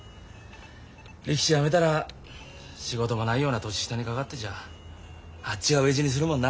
力士やめたら仕事も無いような年下に関わってちゃあっちが飢え死にするもんな。